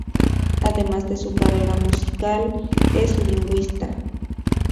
Además de su carrera musical, es lingüista.